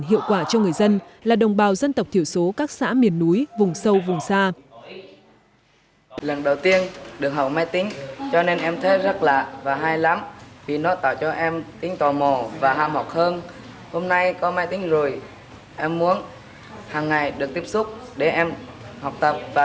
miền núi vùng sâu vùng xa